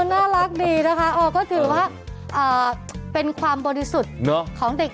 น่ารักดีนะคะก็ถือว่าเป็นความบริสุทธิ์ของเด็ก